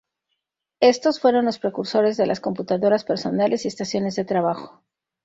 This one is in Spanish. Estos fueron los precursores de las computadoras personales y estaciones de trabajo.